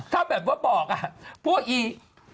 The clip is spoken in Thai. ถ้าแบบว่าบอกพวกอี